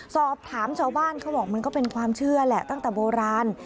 สอบถามชาวบ้านเขาบอกมันก็เป็นความเชื่อแหละตั้งแต่โบราณ